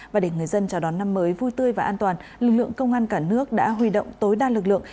và để người dân chào đón năm mới vui tươi và an toàn lực lượng công an cả nước đã huy động tối đa lực lượng